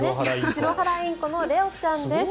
シロハラインコのレオちゃんです。